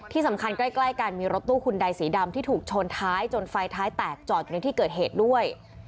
ใกล้กันมีรถตู้คุณใดสีดำที่ถูกชนท้ายจนไฟท้ายแตกจอดอยู่ในที่เกิดเหตุด้วย